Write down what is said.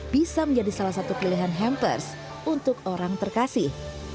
bisa menjadi salah satu pilihan hampers untuk orang terkasih